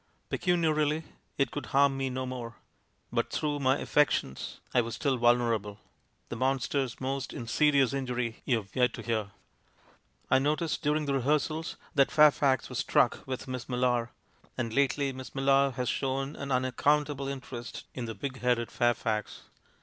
Pecuniarily it could harm me no more, but through my af fections I was still vulnerable; the monster's most insidious injury you've yet to hear. "I noticed durinfr the rehearsals that Fairfax was struck with Miss Millar; and lately Miss Millar has shown an unaccountable interest in the big headed Fairfax.